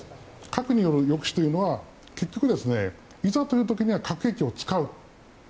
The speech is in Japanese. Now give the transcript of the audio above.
核による抑止というのは結局いざという時には核兵器を使う。